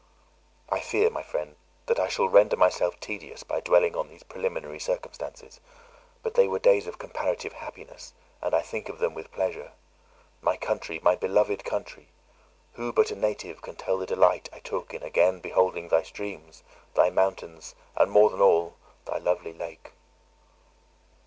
I fear, my friend, that I shall render myself tedious by dwelling on these preliminary circumstances; but they were days of comparative happiness, and I think of them with pleasure. My country, my beloved country! who but a native can tell the delight I took in again beholding thy streams, thy mountains, and, more than all, thy lovely lake!